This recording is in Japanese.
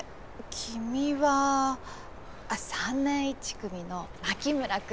君は３年１組の牧村君。